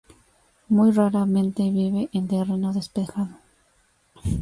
Muy raramente vive en terreno despejado.